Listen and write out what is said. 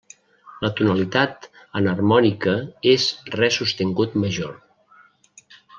La tonalitat enharmònica és re sostingut major.